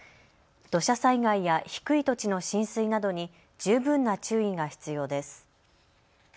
土砂災害や低い土地の浸水などに十分な注意が必要です。